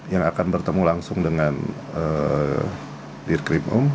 yang akan bertemu langsung dengan dirkrim um